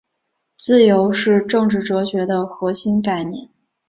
自由是政治哲学的核心概念。